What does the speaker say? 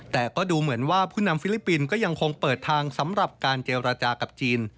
แต่ก็ดูเหมือนว่าผู้นำฟิลิปปินส์ก็ยังคงเปิดทางสำหรับการเจรจากับจีน